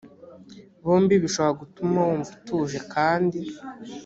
bombi bishobora gutuma wumva utuje kandi